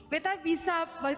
saya bisa berkumpulkan